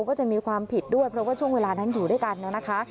ก็จะมีความผิดด้วยเพราะว่าช่วงเวลานั้นอยู่ด้วยกันนะคะ